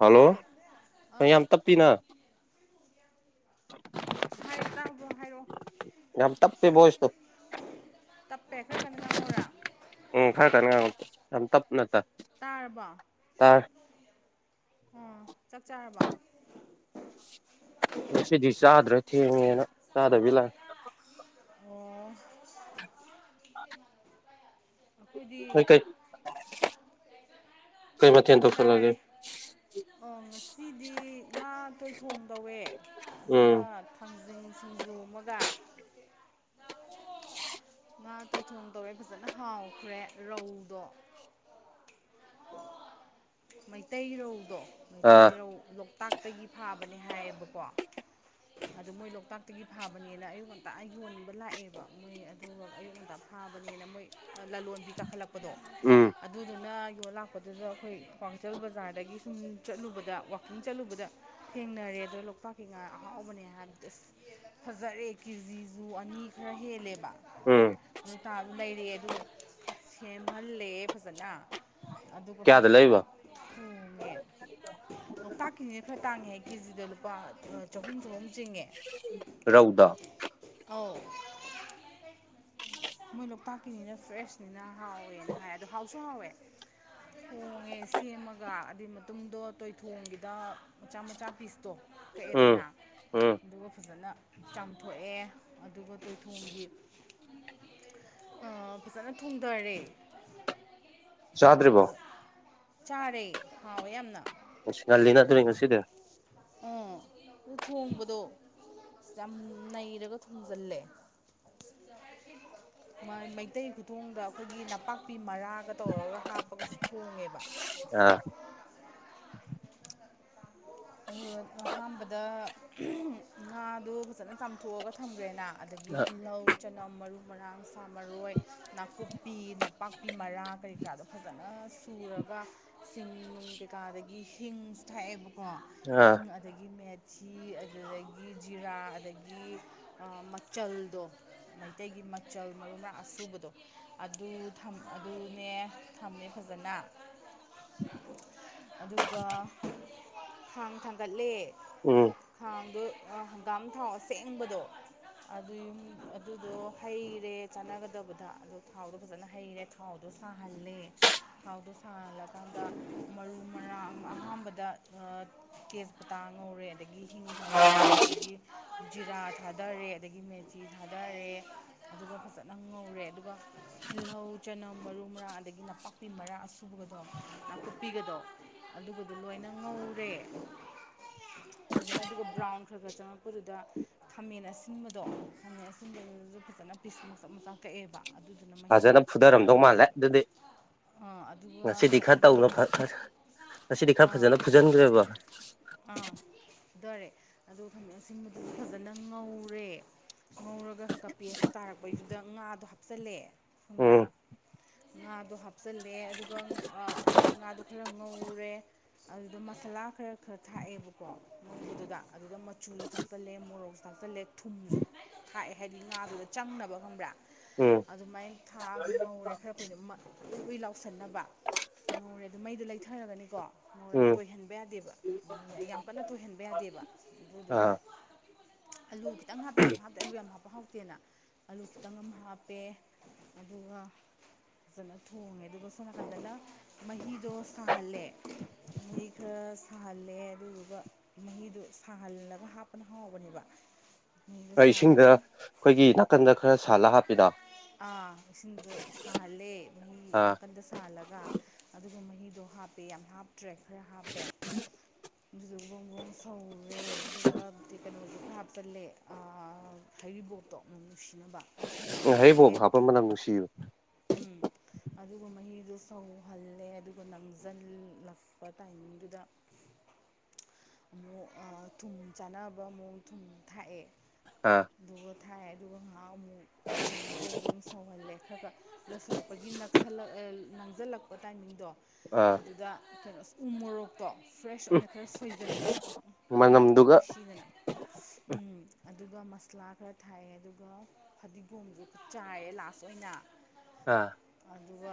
Hello ꯑꯥ ꯌꯥꯝ ꯇꯞꯄꯤꯅ ꯍꯥꯏ ꯇꯥꯕ꯭ꯔꯣ ꯍꯥꯏꯔꯛꯑꯣ ꯌꯥꯝ ꯇꯞꯄꯤ ꯕꯣꯏꯁꯇꯣ ꯇꯞꯄꯦ ꯈꯔ ꯀꯟꯅ ꯉꯥꯡꯍꯧꯔꯥ ꯎꯝ ꯈꯥꯔ ꯀꯟꯅ ꯉꯥꯡꯉꯣ ꯌꯥꯝ ꯇꯞ ꯇꯥꯔꯕꯣ ꯎꯝ ꯆꯥꯛ ꯆꯥꯔꯕꯣ ꯉꯁꯤꯗꯤ ꯆꯥꯗ꯭ꯔꯦ ꯊꯦꯡꯉꯦꯅ ꯆꯥꯗꯕꯤ ꯂꯥꯛ ꯑꯣ ꯑꯩꯈꯣꯏꯗꯤ ꯅꯣꯏ ꯀꯩ ꯀꯩ ꯃꯊꯦꯜ ꯇꯧꯁꯜꯂꯒꯦ ꯆꯥꯔꯦ ꯑꯣ ꯉꯁꯤꯗꯤ ꯉꯥ ꯊꯣꯡꯗꯧꯑꯦ ꯎꯝ ꯑꯗꯨꯒ ꯊꯥꯡꯖꯤꯡ ꯁꯤꯡꯖꯨ ꯑꯃꯒ ꯉꯥ ꯇꯣꯏꯊꯣꯡ ꯇꯧꯔꯦ ꯐꯖꯅ ꯍꯥꯎꯈ꯭ꯔꯦ ꯔꯧꯗꯣ ꯃꯩꯇꯩ ꯔꯧꯗꯣ ꯃꯩꯇꯩ ꯑꯥ ꯔꯧ ꯇꯥꯛꯇꯒꯤ ꯐꯥꯕꯅꯦ ꯍꯥꯏꯌꯦꯕꯀꯣ ꯑꯗꯨ ꯃꯣꯏ ꯂꯣꯛꯇꯥꯛꯇꯒꯤ ꯐꯥꯕꯅꯦꯅ ꯑꯌꯨꯛ ꯉꯟꯇꯥ ꯌꯣꯟꯕ ꯂꯥꯛꯑꯦꯕ ꯃꯣꯏ ꯑꯗꯨꯒ ꯑꯌꯨꯛ ꯉꯟꯇꯥ ꯊꯥꯕꯅꯦꯅ ꯃꯣꯏ ꯂꯂꯣꯟꯕꯤ ꯀꯥꯈꯠꯂꯛꯄꯗꯣ ꯎꯝ ꯑꯗꯨꯗꯨꯅ ꯂꯣ ꯂꯥꯛꯄꯗꯨꯗ ꯑꯩꯈꯣꯏ ꯀ꯭ꯋꯥꯀꯩꯊꯦꯜ ꯕꯖꯥꯔꯗꯒꯤ ꯁꯨꯝ ꯆꯠꯂꯨꯕꯗ ꯋꯥꯛꯀꯤꯡ ꯆꯠꯂꯨꯕꯗ ꯊꯦꯡꯅꯔꯦ ꯑꯗꯣ ꯂꯣꯛꯇꯥꯛꯀꯤ ꯉꯥ ꯑꯍꯥꯎꯕꯅꯦ ꯍꯥꯏꯕꯗꯤ ꯑꯁ ꯐꯖꯔꯦ ꯀꯦꯖꯤꯁꯨꯨ ꯑꯅꯤ ꯈꯔ ꯍꯦꯜꯂꯦꯕ ꯎꯝ ꯑꯗꯨ ꯇꯥꯕ ꯂꯩꯔꯦ ꯑꯗꯨꯒ ꯁꯦꯝꯍꯜꯂꯦ ꯐꯖꯅ ꯑꯗꯨꯒ ꯀꯌꯥꯗ ꯐꯖꯅ ꯂꯩꯕ ꯊꯨꯡꯉꯦ ꯂꯣꯛꯇꯥꯛꯀꯤꯁꯤꯅ ꯈꯔ ꯇꯥꯡꯉꯦ ꯍꯥꯏꯌꯦ ꯀꯦꯖꯤꯗ ꯂꯨꯄꯥ ꯆꯍꯨꯝ ꯆꯍꯨꯝ ꯆꯤꯡꯉꯦ ꯔꯧꯗ ꯑꯣ [inaudible] ꯃꯣꯏ ꯂꯣꯛꯇꯥꯛꯀꯤꯅꯤꯅ ꯐ꯭ꯔꯦꯁꯅꯤꯅ ꯍꯥꯎꯋꯦꯅ ꯍꯥꯏ ꯑꯣ ꯍꯥꯎꯁꯨ ꯍꯥꯎꯋꯦ ꯍꯣꯡꯉꯦ ꯁꯦꯝꯃꯒ ꯑꯗꯨꯗꯤ ꯃꯇꯨꯡꯗꯣ ꯇꯣꯏꯊꯣꯡꯒꯤꯗ ꯃꯆꯥ ꯃꯆꯥ ꯄꯤꯁꯇꯣ ꯎꯝ ꯀꯛꯑꯦꯗꯅ ꯎꯝ ꯑꯗꯨꯒ ꯐꯖꯅ ꯆꯥꯝꯊꯣꯛꯑꯦ ꯑꯗꯨꯒ ꯇꯣꯏꯊꯣꯡꯒꯤ ꯐꯖꯅ ꯊꯣꯡꯗꯔꯦ ꯆꯥꯗ꯭ꯔꯤꯕꯣ ꯆꯥꯔꯦ ꯍꯥꯎꯋꯦ ꯌꯥꯝꯅ ꯉꯜꯂꯤꯅ ꯑꯗꯨꯗꯤ ꯉꯁꯤꯗꯤ ꯑꯥ ꯑꯗꯨ ꯊꯣꯡꯕꯗꯣ ꯌꯥꯝ ꯅꯩꯔꯒ ꯊꯣꯡꯖꯤꯜꯂꯦ ꯃꯩꯇꯩ ꯈꯨꯊꯣꯡꯗ ꯑꯩꯈꯣꯏꯒꯤ ꯅꯄꯥꯛꯄꯤ ꯃꯔꯥꯒ ꯇꯧꯔꯒ ꯍꯥꯞꯄꯒꯁꯨ ꯊꯣꯡꯉꯦꯕ ꯑꯥ ꯑꯗꯨꯒ ꯑꯍꯥꯟꯕꯗ ꯉꯥꯗꯨ ꯐꯖꯅ ꯆꯥꯝꯊꯣꯛꯑꯒ ꯊꯝꯈ꯭ꯔꯦꯅ ꯑꯗꯒꯤ ꯇꯤꯜꯍꯧ ꯆꯅꯝ ꯃꯔꯨ ꯃꯔꯥꯡ ꯁꯥ ꯃꯔꯣꯏ ꯅꯥꯀꯨꯞꯄꯤ ꯄꯄꯥꯛꯄꯤ ꯃꯔꯥ ꯀꯔꯤ ꯀꯔꯥꯗꯣ ꯐꯖꯅ ꯁꯨꯔꯒ ꯆꯤꯡ ꯅꯨꯡ ꯀꯩꯀꯥ ꯑꯗꯒꯤ ꯍꯤꯡ ꯊꯥꯛꯑꯦꯕꯀꯣ ꯑꯥ ꯍꯤꯡ ꯑꯗꯒꯤ ꯃꯦꯠ ꯊꯤ ꯑꯗꯨꯗꯒꯤ ꯖꯤꯔꯥ ꯑꯗꯒꯤ ꯃꯆꯜꯗꯣ ꯃꯩꯇꯩꯒꯤ ꯃꯆꯜ ꯃꯔꯨ ꯃꯔꯥꯡ ꯑꯁꯨꯨꯕꯗꯣ ꯑꯗꯨ ꯑꯗꯨꯅꯦ ꯊꯝꯃꯦ ꯐꯖꯅ ꯑꯗꯨꯒ ꯈꯥꯡ ꯊꯥꯡꯒꯠꯂꯦ ꯎꯝ ꯈꯥꯡꯗꯣ ꯍꯪꯒꯥꯝ ꯊꯥꯎ ꯑꯁꯦꯡꯕꯗꯣ ꯑꯗꯨ ꯑꯗꯨꯗꯣ ꯍꯩꯔꯦ ꯆꯥꯟꯅꯒꯗꯕꯗ ꯑꯗꯣ ꯊꯥꯎꯗꯣ ꯐꯖꯅ ꯍꯩꯔꯦ ꯊꯥꯎꯗꯣ ꯁꯥꯍꯜꯂꯦ ꯊꯥꯎꯗꯣ ꯁꯥꯍꯜꯂꯀꯥꯟꯗ ꯃꯔꯨ ꯃꯔꯥꯡ ꯑꯍꯥꯟꯕꯗ ꯇꯦꯁꯄꯇꯥ ꯉꯧꯔꯦ ꯑꯗꯒꯤ ꯍꯤꯡ ꯊꯥꯗꯔꯦ ꯑꯗꯒꯤ ꯖꯤꯔꯥ ꯊꯥꯗꯔꯦ ꯑꯗꯒꯤ ꯃꯦꯊꯤ ꯊꯥꯗꯔꯦ ꯑꯗꯨꯒ ꯐꯖꯅ ꯉꯧꯔꯦ ꯑꯗꯨꯒ ꯇꯤꯜꯍꯧ ꯆꯅꯝ ꯃꯔꯨ ꯃꯔꯥ ꯑꯗꯒꯤ ꯅꯄꯥꯛꯄꯤ ꯃꯔꯥ ꯑꯁꯨꯕꯒꯗꯣ ꯅꯥꯀꯨꯞꯄꯤꯒꯗꯣ ꯑꯗꯣ ꯑꯗꯨꯕꯗ ꯂꯣꯏꯅ ꯉꯧꯔꯦ [inaudible] ꯐꯖꯅ ꯑꯗꯨꯒ ꯕ꯭ꯔꯥꯎꯟ ꯈꯔ ꯈꯔ ꯆꯪꯉꯛꯄꯗꯨꯗ ꯈꯥꯃꯦꯟ ꯑꯁꯤꯟꯕꯗꯣ ꯈꯥꯃꯦꯟ ꯑꯁꯤꯟꯕꯗꯨꯁꯨ ꯐꯖꯅ ꯄꯤꯁ ꯃꯆꯆꯥ ꯃꯆꯥ ꯀꯛꯑꯦꯕ ꯑꯗꯨꯗꯨꯅ ꯃꯍꯤ ꯐꯖꯅ ꯐꯨꯊꯔꯝꯗꯧ ꯃꯥꯜꯂꯦ ꯍꯥꯎꯗꯣꯏꯅꯦꯕ ꯑꯗꯨꯗꯤ ꯑꯥ ꯑꯗꯨꯒ ꯉꯁꯤꯗꯤ ꯈꯔ ꯀꯛꯑꯒ ꯇꯧꯅ ꯉꯁꯤꯗꯤ ꯈꯔ ꯑꯥ ꯐꯖꯅ ꯐꯨ ꯖꯟꯈ꯭ꯔꯦꯕ ꯑ ꯈꯃꯦꯟ ꯑꯁꯤꯟꯕꯗꯨꯁꯨ ꯐꯖꯅ ꯉꯧꯔꯦ ꯉꯧꯔꯒ ꯈꯔ ꯀ ꯄꯦꯁ ꯇꯥꯔꯛꯄꯩꯗꯨꯗ ꯉꯥꯗꯣ ꯍꯥꯞꯆꯤꯜꯂꯦ ꯈꯪꯕ꯭ꯔꯥ ꯎꯝ ꯉꯥꯗꯣ ꯍꯥꯞꯆꯜꯂꯦ ꯑꯗꯨꯒ ꯍꯥꯏꯗꯤ ꯉꯥꯗꯣ ꯈꯔ ꯉꯧꯔꯦ ꯑꯗꯨꯗ ꯃꯁꯥꯂꯥ ꯈꯔ ꯈꯔ ꯁꯨ ꯊꯥꯛꯑꯦꯕꯀꯣ ꯉꯧꯕꯗꯨꯗ ꯑꯗꯨꯗ ꯃꯆꯨꯁꯨ ꯊꯥꯛꯆꯜꯂꯦ ꯃꯣꯔꯣꯛꯁꯨ ꯊꯥꯛꯇꯆꯜꯂꯦ ꯈꯜꯂꯦ ꯊꯨꯝꯁꯨ ꯊꯥꯛꯑꯦ ꯍꯥꯏꯗꯤ ꯉꯥꯗꯨꯗ ꯆꯪꯅꯕ ꯈꯪꯕ꯭ꯔꯥ ꯎꯝ ꯑꯗꯨꯃꯥꯏꯅ ꯊꯥꯑꯒ ꯉꯧꯔꯦ ꯈꯔ ꯀꯨꯏꯅ ꯑꯨꯏ ꯑꯨꯏ ꯂꯥꯎꯅ ꯀꯧꯁꯟꯅꯕ ꯉꯧꯔꯦ ꯑꯗꯨ ꯃꯩꯗꯣ ꯂꯩꯊꯔꯒꯅꯤꯀꯣ ꯎꯝ ꯇꯣꯏꯍꯟꯕ ꯌꯥꯗꯦꯕ ꯌꯥꯝ ꯀꯟꯅ ꯇꯣꯏꯍꯟꯕ ꯌꯥꯗꯦꯕ ꯑꯗꯨꯗꯨꯒ ꯑꯥ ꯑꯂꯨ ꯈꯤꯇꯪꯞ ꯍꯥꯞꯄꯦ ꯌꯥꯝ ꯍꯥꯞꯇꯦ ꯑꯂꯨ ꯌꯥꯝ ꯍꯥꯞꯄ ꯍꯥꯎꯇꯦ ꯍꯥꯞꯇꯦꯅ ꯑꯂꯨ ꯈꯤꯇꯪ ꯑꯃ ꯍꯥꯞꯄꯦ ꯑꯗꯨꯒ ꯐꯖꯅ ꯊꯣꯡꯉꯦ ꯑꯗꯨꯒ ꯁꯣꯝ ꯅꯥꯀꯟꯗ ꯃꯍꯤꯗꯣ ꯁꯥꯍꯜꯂꯦ [inaudible] ꯃꯍꯤ ꯈꯔ ꯁꯥꯍꯜꯂꯦ ꯑꯗꯨꯗꯨꯒ ꯃꯍꯤꯗꯨ ꯁꯥꯍꯜꯂꯒ ꯍꯥꯞꯄꯅ ꯍꯥꯎꯕꯅꯦꯕ ꯃꯍꯤꯗꯣ ꯏꯁꯤꯡꯗ ꯁꯥꯍꯜꯂꯒ ꯑꯩꯈꯣꯏꯒꯤ ꯅꯥꯀꯟꯗ ꯈꯔ ꯁꯥꯍꯜꯂꯒ ꯍꯥꯞꯄꯤꯗꯣ ꯑꯥ ꯏꯁꯤꯡꯗ ꯁꯥꯍꯜꯂꯦ ꯃꯍꯤ ꯑꯥ ꯅꯥꯀꯟꯗ ꯁꯥꯍꯜꯂꯒ ꯑꯗꯨꯒ ꯃꯍꯤꯗꯣ ꯍꯥꯞꯄꯦ ꯌꯥꯝ ꯍꯥꯞꯇ꯭ꯔꯦ ꯈꯔ ꯍꯥꯞꯄꯦ ꯑꯗꯨꯗꯨꯒ ꯁꯧ [inaudible] ꯀꯩꯅꯣꯁꯨ ꯈꯔ ꯍꯥꯞꯆꯜꯂꯦ ꯑꯥ ꯍꯩꯔꯤꯕꯣꯠꯇꯣ ꯃꯅꯝ ꯅꯨꯡꯁꯤꯅꯕ ꯈꯔ ꯎꯝ ꯍꯩꯔꯤꯕꯣꯞ ꯆꯜꯂꯦ ꯍꯥꯞꯄ ꯃꯅꯝ ꯅꯨꯡꯁꯤꯕ ꯎꯝ ꯑꯗꯨꯒ ꯃꯍꯤꯗꯨ ꯁꯧꯍꯜꯂꯦ ꯑꯗꯨꯒ ꯅꯝꯁꯤꯜꯂꯛꯄ ꯇꯥꯏꯃꯤꯡꯗꯨꯗ ꯑꯃꯨꯛ ꯊꯨꯝ ꯆꯥꯅꯕ ꯑꯃꯨꯛ ꯊꯨꯝ ꯊꯥꯛꯑꯦ ꯑꯥ ꯑꯗꯨꯒ ꯊꯥꯏ ꯑꯗꯨ ꯉ ꯑꯃꯨꯛ ꯕ꯭ꯔꯣ ꯕ꯭ꯔꯣꯡ ꯁꯧꯍꯜꯂꯦ ꯈꯔ ꯈꯔ ꯂꯣꯏꯁꯤꯜꯂꯛꯄꯒꯤ ꯅꯛꯁꯜꯂꯛ ꯃꯥꯡꯁꯤꯜꯂꯛꯄ ꯇꯥꯏꯃꯤꯡꯗꯣ ꯑꯥ ꯑꯗꯨꯗ ꯀꯩꯅꯣ ꯎ ꯃꯣꯔꯣꯛꯇꯣ ꯐ꯭ꯔꯦꯁ ꯑꯣꯏꯅ ꯈꯔ ꯁꯣꯏꯖꯤꯜꯂꯦ ꯎꯝ ꯑꯗꯨ ꯃꯅꯝꯗꯣ ꯌꯥꯝ ꯃꯅꯝꯗꯨꯒ ꯅꯨꯡꯁꯤꯗꯅ ꯎꯝ ꯑꯗꯨꯒ ꯃꯁꯂꯥ ꯈꯔ ꯊꯥꯏꯌꯦ ꯑꯗꯨꯒ ꯐꯗꯤꯒꯣꯝꯁꯨ ꯆꯥꯏꯔꯦ ꯂꯥꯁ ꯑꯣꯏꯅ ꯑꯥ ꯑꯗꯨꯒ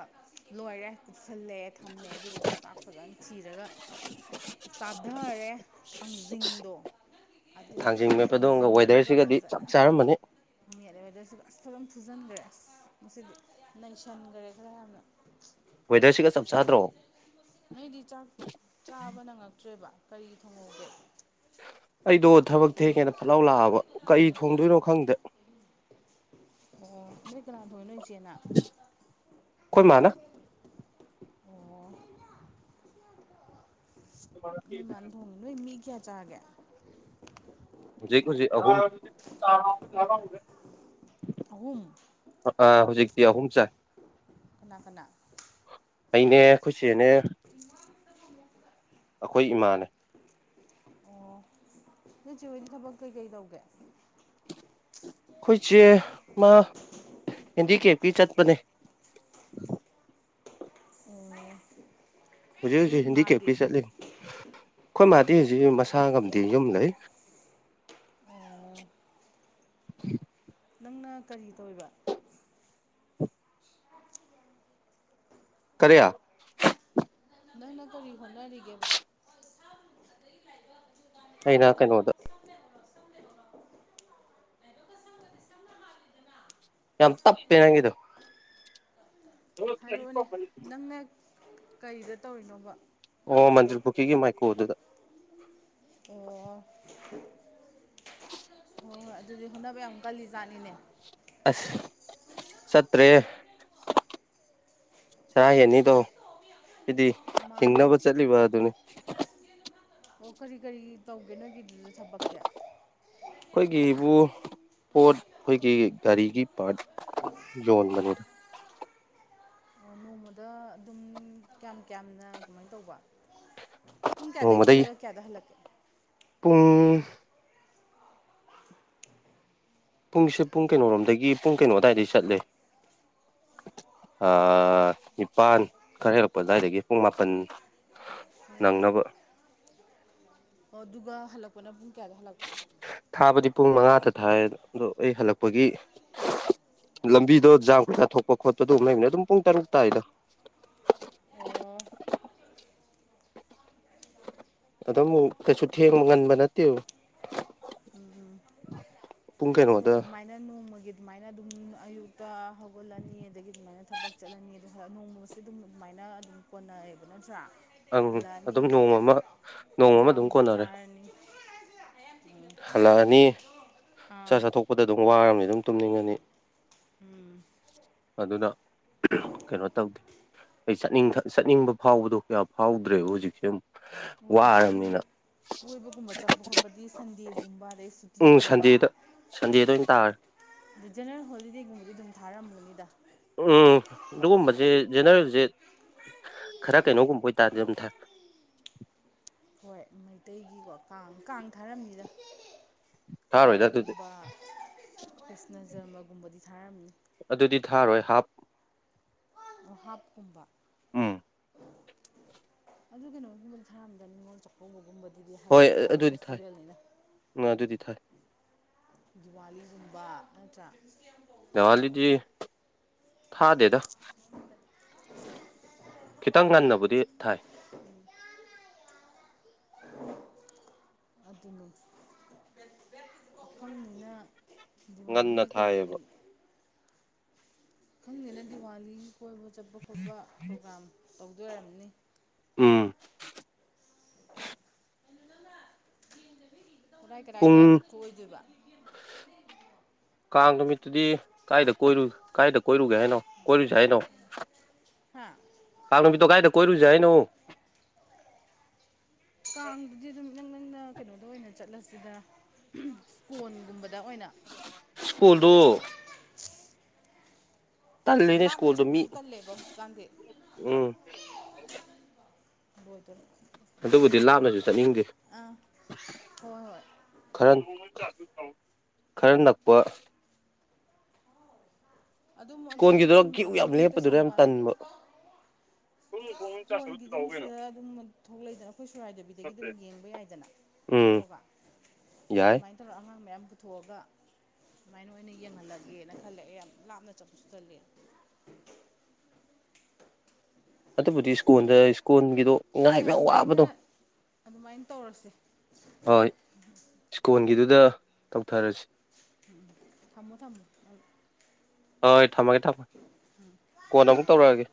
ꯂꯣꯏꯔꯦ ꯀꯨꯞꯁꯜꯂꯦ ꯊꯝꯃꯦ ꯑꯗꯨꯗꯨꯒ ꯆꯥꯛ ꯐꯖꯅ ꯊꯤꯔꯒ [inaudible] ꯀꯣꯊꯔꯦ ꯊꯥꯡꯖꯤꯡꯗꯣ ꯑꯗꯨ ꯊꯥꯡꯖꯤꯡ ꯃꯦꯄꯗꯣꯝꯒ ꯋꯦꯗꯔꯁꯤꯒꯗꯤ ꯆꯞ ꯆꯥꯔꯝꯅꯤ ꯃꯦꯠꯂꯦꯕ ꯑꯗꯁꯨ ꯑꯁ ꯈꯔꯝ ꯐꯨꯖꯤꯟꯈ꯭ꯔꯦ ꯑꯁ ꯉꯁꯤꯗꯤ ꯅꯪꯁꯟꯈ꯭ꯔꯦ ꯈꯔ ꯌꯥꯝꯅ ꯋꯦꯗꯔꯁꯤꯒ ꯆꯞ ꯆꯥꯗ꯭ꯔꯣ ꯅꯣꯏꯗꯤ ꯆꯥꯛ ꯆꯥꯕ ꯅꯪꯉꯛꯇ꯭ꯔꯦꯕ ꯀꯔꯤ ꯊꯣꯡꯍꯧꯒꯦ ꯑꯩꯗꯣ ꯊꯕꯛ ꯄꯝꯃꯨ ꯊꯦꯡꯉꯦꯅ ꯐꯠ ꯂꯥꯎ ꯂꯥꯛꯑꯕ ꯀꯩ ꯊꯣꯡꯗꯣꯏꯅꯣ ꯈꯪꯗꯦ ꯑꯣ ꯅꯣꯏ ꯀꯅꯥ ꯊꯣꯛꯏ ꯅꯣꯏ ꯏꯆꯦꯅ ꯑꯩꯈꯣꯏ ꯃꯥꯅ ꯑꯣ ꯅꯣꯏꯃꯥꯟ ꯊꯣꯡꯉꯦ ꯅꯣꯏ ꯃꯤ ꯀꯌꯥ ꯆꯥꯒꯦ ꯍꯧꯖꯤꯛ ꯍꯧꯖꯤꯛ ꯑꯍꯨꯝ ꯑꯍꯨꯝ ꯑꯥ ꯍꯧꯖꯤꯛꯇꯤ ꯑꯍꯨꯝ ꯆꯥꯏ ꯀꯅꯥ ꯀꯅꯥ ꯑꯩꯅꯦ ꯈꯣꯏ ꯆꯦꯅꯦ ꯑꯩꯈꯣꯏ ꯏꯃꯥꯅꯦ ꯑꯣ ꯅꯣꯏꯆꯦ ꯍꯣꯏꯗꯤ ꯊꯕꯛ ꯀꯩꯀꯩ ꯇꯧꯒꯦ ꯑꯩꯈꯣꯏ ꯆꯦ ꯃꯥ ꯍꯦꯟꯗꯤꯀꯦꯞꯀꯤ ꯆꯠꯄꯅꯦ ꯎꯝ ꯍꯧꯖꯤ ꯍꯧꯖꯤꯛ ꯍꯤꯟꯗꯤ ꯀꯦꯝꯄꯤ ꯆꯠꯂꯤ ꯑꯩꯈꯣꯏ ꯃꯥꯗꯤ ꯍꯧꯖꯤꯛ ꯃꯁꯥꯉꯝꯗꯦ ꯌꯨꯝ ꯂꯩ [inaudible] ꯑꯣ ꯅꯪꯅ ꯀꯔꯤ ꯇꯧꯔꯤꯕ ꯀꯔꯤ ꯅꯪꯅ ꯀꯔꯤ ꯍꯣꯠꯅꯔꯤꯒꯦꯕ ꯑꯩꯅ ꯀꯩꯅꯣꯗ [inaudible] ꯌꯥꯝ ꯇꯞꯄꯦ ꯅꯪꯒꯤꯗꯣ ꯍꯥꯏꯔꯛꯑꯣꯅꯦ ꯅꯪꯅ ꯀꯔꯤꯗ ꯇꯧꯔꯤꯅꯣꯕ ꯑꯣ ꯃꯟꯇ꯭ꯔꯤ ꯄꯨꯈ꯭ꯔꯤꯒꯤ ꯃꯥꯏꯀꯣ ꯑꯗꯨꯗ ꯑꯣ ꯍꯣꯏ ꯍꯣꯏ ꯑꯗꯨꯗꯤ ꯍꯣꯠꯅꯕ ꯌꯥꯝ ꯀꯜꯂꯤ ꯖꯥꯠꯅꯤꯅꯦ ꯑꯁ ꯁꯠꯇꯦ ꯆꯥꯔ ꯍꯦꯟꯅꯤꯗꯣ ꯍꯥꯏꯗꯤ ꯃꯥꯅꯦ ꯍꯤꯡꯅꯕ ꯆꯠꯂꯤꯕ ꯑꯗꯨꯅꯤ ꯑꯣ ꯀꯔꯤ ꯀꯔꯤ ꯇꯧꯒꯦ ꯅꯣꯏꯒꯤ ꯑꯩꯈꯣꯏꯒꯤꯕꯨ ꯄꯣꯠ ꯑꯩꯈꯣꯏꯒꯤ ꯒꯥꯔꯤꯒꯤ ꯄ꯭ꯔꯥꯠ ꯌꯣꯠꯕꯅꯤꯗ ꯑꯣ ꯅꯣꯡꯃꯗ ꯑꯗꯨꯝ ꯀꯌꯥꯝ ꯀꯌꯥꯝꯅ ꯀꯃꯥꯏꯅ ꯇꯧꯕ ꯄꯨꯡ ꯀꯌꯥꯗꯒꯤ ꯅꯣꯡꯃꯗꯒꯤ ꯆꯠꯂꯒ ꯀꯌꯥꯗ ꯍꯜꯂꯛꯀꯦ ꯄꯨꯡ ꯄꯨꯡꯁꯦ ꯄꯨꯡ ꯀꯩꯅꯣꯔꯣꯝꯗꯒꯤ ꯄꯨꯡ ꯀꯩꯅꯣ ꯑꯗꯨꯋꯥꯏꯗꯩ ꯆꯠꯂꯦ ꯅꯤꯄꯥꯜ ꯈꯔ ꯍꯦꯜꯂꯛꯄ ꯑꯗꯨꯋꯥꯏꯗꯒꯤ ꯄꯨꯡ ꯃꯥꯄꯜ ꯅꯪꯅꯕ ꯑꯣ ꯑꯗꯨꯒ ꯍꯜꯂꯛꯄꯅ ꯄꯨꯡ ꯀꯌꯥꯗ ꯍꯜꯂꯛꯄ ꯊꯥꯕꯗꯤ ꯄꯨꯡ ꯃꯉꯥꯗ ꯊꯥꯏ ꯑꯗꯣ ꯑꯩ ꯍꯜꯂꯛꯄꯒꯤ ꯂꯝꯕꯤꯗꯣ ꯖꯥꯝ ꯀꯥ ꯊꯣꯛꯄ ꯈꯣꯠꯄꯗ ꯂꯩꯕꯅꯦ ꯑꯗꯨꯝ ꯄꯨꯡ ꯇꯔꯨꯛ ꯇꯥꯥꯏꯗ [inaudible] ꯑꯣ ꯑꯗꯨꯝ ꯀꯩꯁꯨ ꯉꯟꯕ ꯅꯠꯇꯦꯗ ꯄꯨꯡ ꯀꯩꯩꯅꯣ ꯑꯗꯨꯝ ꯑꯗꯨꯃꯥꯏꯅ ꯅꯣꯡꯃꯒꯤ ꯑꯗꯨꯃꯥꯏꯅ ꯑꯗꯨꯝ ꯑꯌꯨꯛꯇ ꯍꯧꯒꯠꯂꯅꯤ ꯑꯗꯒꯤ ꯑꯗꯨꯃꯥꯏꯅ ꯊꯕꯛ ꯆꯠꯂꯅꯤ ꯑꯗꯨ ꯅꯣꯡꯃꯁꯦ ꯑꯗꯨꯝ ꯑꯗꯨꯃꯥꯏꯅ ꯑ ꯑꯗꯨꯝ ꯀꯣꯟꯅꯔꯦꯕ ꯅꯠꯇ꯭ꯔꯥ ꯑꯪ ꯍꯜꯂꯛꯑꯅꯤ ꯑꯗꯨꯝ ꯅꯣꯡꯃ ꯑꯃ ꯅꯣꯡꯃ ꯑꯃ ꯆꯥꯛ ꯑꯗꯨꯝ ꯑꯃꯨꯛ ꯀꯣꯟꯅꯔꯦ ꯆꯥꯔꯅꯤ ꯍꯜꯂꯛꯑꯅꯤ ꯑꯥ ꯆꯥꯛ ꯆꯥꯊꯣꯛꯄꯗ ꯑꯗꯨꯝ ꯋꯥꯔꯕꯅꯤꯅ ꯑꯗꯨꯝ ꯇꯨꯝꯅꯤꯡꯉꯅꯤ ꯎꯝ ꯑꯗꯨꯅ ꯀꯩꯅꯣ ꯇꯧꯗꯦ ꯑꯩ ꯆꯠꯅꯤꯡ ꯆꯠꯅꯤꯡꯕ ꯐꯥꯎꯕꯗꯣ ꯀꯌꯥ ꯐꯥꯎꯗ꯭ꯔꯦꯕ ꯍꯧꯖꯤꯛꯁꯦ ꯑꯃꯨꯛ ꯑꯣ ꯑꯗꯨꯗꯤ ꯋꯥꯔꯕꯅꯤꯅ ꯀꯣꯏꯕꯒꯨꯝꯕ ꯆꯠꯄ ꯈꯣꯠꯄꯗꯤ ꯁꯟꯗꯦꯒꯨꯝꯕ ꯑꯗꯩ ꯎꯝ ꯁꯨꯇꯤꯒꯨꯝꯕ ꯁꯟꯗꯦꯗ ꯁꯟꯗꯦꯗ ꯑꯣꯏꯅ ꯇꯥꯔꯦ ꯑꯗꯣ ꯖꯦꯅꯔꯦꯜ ꯍꯣꯂꯤꯗꯦꯒꯨꯝꯕꯗꯤ ꯑꯗꯨꯝ ꯊꯥꯔꯝꯅꯤ꯫ ꯎꯝ ꯑꯗꯨꯒꯨꯝꯕꯁꯦ ꯖꯦꯅꯦꯔꯦꯜꯁꯦ ꯈꯔ ꯀꯩꯅꯣꯒꯨꯝꯕ ꯑꯣꯏꯇꯥꯥꯗꯤ ꯑꯗꯨꯝ ꯊꯥꯢ꯫ ꯍꯣꯏ ꯃꯩꯇꯩꯒꯤꯀꯣ ꯀꯥꯡ ꯀꯥꯡ ꯊꯥꯔꯝꯅꯤꯗ ꯊꯥꯔꯣꯏꯗ ꯑꯗꯨꯗꯤ ꯀꯥꯡꯒꯨꯝꯕ ꯀ꯭ꯔꯤꯁꯅ ꯖꯔꯃꯒꯨꯝꯕꯗꯤ ꯊꯥꯔꯝꯅꯤ ꯑꯗꯨꯗꯤ ꯊꯥꯔꯣꯏ ꯍꯥꯞ ꯑꯣ ꯍꯥꯞꯀꯨꯝꯕ ꯎꯝ ꯑꯗꯨ ꯀꯩꯅꯣꯒꯨꯝꯕ ꯊꯥꯔꯝꯅꯤꯗ ꯅꯤꯡꯉꯣꯜ ꯆꯥꯛꯀꯧꯕꯒꯨꯝꯕ ꯗꯤ ꯍꯥꯏꯗꯤ ꯍꯣꯏ ꯑꯆꯧꯕ ꯑꯗꯨꯗꯤ ꯊꯥꯏ ꯐꯦꯁꯇꯤꯚꯦꯜꯅꯤꯅ ꯎꯝ ꯑꯗꯨꯗꯤ ꯊꯥꯏ ꯗꯤꯋꯥꯂꯤꯒꯨꯝꯕ ꯅꯠꯇ꯭ꯔ ꯗꯦꯋꯥꯂꯤꯗꯤ ꯊꯥꯗꯦꯗ ꯈꯤꯇꯪ ꯉꯟꯅꯕꯨꯗꯤ ꯊꯥꯏ ꯑꯗꯨꯅꯤ ꯄꯥꯈꯪꯅꯤꯅ ꯉꯟꯅ ꯗꯤꯋꯥꯂꯤꯒꯤ ꯀꯔꯤ ꯀꯔꯤ ꯊꯥꯏꯌꯦꯕ ꯈꯪꯅꯤꯅ ꯗꯤꯋꯥꯂꯤꯒꯤ ꯀꯣꯏꯕ ꯆꯠꯄ ꯈꯣꯠꯄ ꯄ꯭ꯔꯣꯒ꯭ꯔꯥꯝ ꯇꯧꯗꯨꯏ ꯑꯣꯏꯔꯝꯅꯤ ꯎꯝ ꯀꯔꯥꯏ ꯄꯨꯡ ꯀꯔꯥꯏꯗ ꯀꯣꯏꯗꯨꯏꯕ ꯀꯥꯡ ꯅꯨꯃꯤꯠꯇꯨꯗꯤ ꯀꯥꯏꯗ ꯀꯣꯏꯔꯨ ꯀꯥꯏꯗ ꯀꯣꯏꯔꯨꯒꯦ ꯍꯥꯏꯅꯣ ꯀꯣꯏꯔꯨꯖꯦ ꯍꯥꯏꯅꯣ ꯍꯥ ꯀꯥꯡ ꯅꯨꯃꯤꯠꯇꯣ ꯀꯥꯏꯗ ꯀꯣꯏꯔꯨꯖꯦ ꯍꯥꯏꯅꯣ ꯀꯥꯡꯗꯨꯗꯤ ꯑꯗꯨꯝ ꯏꯅꯛ ꯅꯛꯅ ꯀꯩꯅꯣꯗ ꯑꯣꯏꯅ ꯆꯠꯂꯁꯤꯗ ꯏꯁ꯭ꯀꯣꯟꯒꯨꯝꯕ ꯁ꯭ꯀꯣꯜꯗꯣ ꯇꯜꯂꯤꯅꯦ ꯂꯥꯞꯅ ꯁ꯭ꯀꯣꯜꯗꯣ ꯃꯤ ꯆꯠꯄꯁꯨ ꯇꯜꯂꯦꯕ ꯍꯧꯖꯤꯛꯀꯥꯟꯗꯤ ꯎꯝ ꯕꯣ [unintelligible] ꯑꯗꯨꯕꯨꯗꯤ ꯂꯥꯞꯅꯖꯨ ꯆꯠꯅꯤꯡꯗꯦ ꯍꯣꯏ ꯍꯣꯏ ꯈꯔ ꯈꯔ ꯅꯛꯄ ꯑꯗꯨꯝ ꯑꯗꯨ ꯁ꯭ꯀꯨꯜꯒꯤꯗꯨꯗ ꯀ꯭ꯌꯨ ꯆꯤꯡꯕꯗꯣ ꯌꯥꯝ ꯑꯗꯨꯝ ꯂꯦꯞꯄꯗꯨꯗ ꯌꯥꯝ ꯀꯩꯁꯥꯝꯄꯥꯠ ꯇꯟꯕ [inaudible] ꯁ꯭ꯀꯣꯟꯒꯤ ꯑꯗꯨꯝ ꯁꯤꯗ ꯑꯗꯨꯝ ꯊꯣꯛꯂꯛꯏꯗꯅ ꯑꯩꯈꯣꯏ ꯁꯨꯔꯣꯛꯍꯥꯏꯗꯕꯤꯗꯒꯤ ꯑꯗꯨꯝ ꯌꯦꯡꯕ ꯌꯥꯏꯗꯅ ꯎꯝ ꯋꯣꯛꯑꯕ ꯌꯥꯏ ꯑꯗꯨꯃꯥꯏ ꯇꯧꯔ ꯑꯉꯥꯡ ꯃꯌꯥꯝ ꯄꯨꯊꯣꯛꯑꯒ ꯁꯨꯃꯥꯏꯅ ꯑꯣꯏꯅ ꯌꯦꯡꯍꯜꯂꯒꯦꯅ ꯈꯜꯂꯦ ꯑꯩ ꯌꯥꯝ ꯂꯥꯞꯅ ꯆꯠꯄꯁꯨ ꯇꯜꯂꯤ ꯑꯗꯨꯕꯨꯗꯤ ꯏꯁ꯭ꯀꯣꯟꯗ ꯏꯁꯀꯣꯟꯒꯤꯗꯣ ꯍꯣꯏ ꯉꯥꯏꯕ ꯌꯥꯝ ꯑꯗꯨꯃꯥꯏꯅ ꯋꯥꯕꯗꯣ ꯑꯗꯨꯃꯥꯏꯅ ꯇꯧꯔꯁꯦ ꯍꯣꯏ ꯏꯁ꯭ꯀꯣꯟꯒꯤꯗꯨꯗ ꯇꯧꯊꯔꯁꯤ ꯎꯝ ꯊꯝꯃꯣ ꯊꯝꯃꯣ ꯍꯣꯏ ꯊꯝꯃꯒꯦ ꯊꯝꯃꯒꯦ ꯀꯣꯟꯅ ꯑꯃꯨꯛ ꯇꯧꯔꯛꯑꯒꯦ